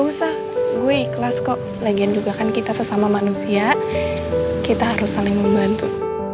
usah gue ikhlas kok lagian juga kan kita sesama manusia kita harus saling membantu